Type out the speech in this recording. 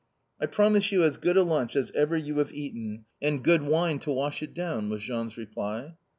"I promise you as good a lunch as ever you have eaten, and good wine to wash it down!" was Jean's reply.